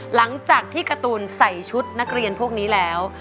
หลังจากที่การ์ตูนใส่ชุดนักเรียนพวกนี้แล้ว